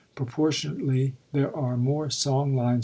Proportionately there are more song lines